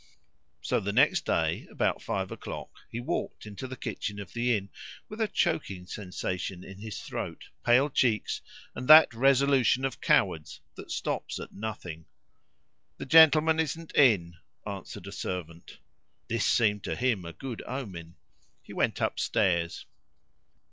So the next day about five o'clock he walked into the kitchen of the inn, with a choking sensation in his throat, pale cheeks, and that resolution of cowards that stops at nothing. "The gentleman isn't in," answered a servant. This seemed to him a good omen. He went upstairs.